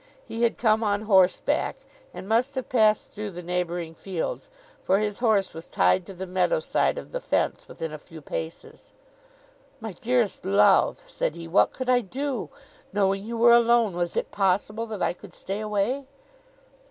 He had come on horseback, and must have passed through the neighbouring fields; for his horse was tied to the meadow side of the fence, within a few paces. 'My dearest love,' said he, 'what could I do? Knowing you were alone, was it possible that I could stay away?